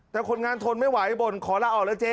แต่คนงานทนไม่ไหวบ่นขอลาออกแล้วเจ๊